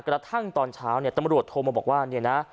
กระทั่งตอนเช้าเนี่ยตำรวจโทรมาบอกว่าเนี่ยนะ